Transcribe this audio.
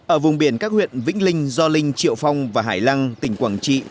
ở vùng biển các huyện vĩnh linh do linh triệu phong và hải lăng tỉnh quảng trị